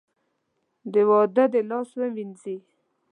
د واده دې لاس ووېنځي .